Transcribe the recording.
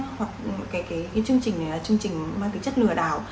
hoặc cái chương trình này là chương trình mang cái chất lừa đảo